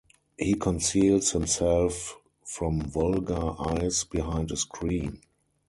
He conceals himself from vulgar eyes behind a screen.